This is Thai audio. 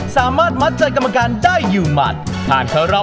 ในมือของคุณเริ่มต้นจาก๕คะแนนบวกกับคะแนนจากคณะประการครับ